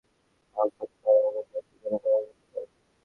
একই সঙ্গে শরীরের অন্যান্য স্থানে আঘত পাওয়া আহত ব্যক্তিদেরও পাওয়া যেতে পারে।